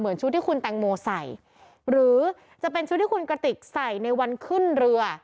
ชุดที่คุณแตงโมใส่หรือจะเป็นชุดที่คุณกระติกใส่ในวันขึ้นเรือ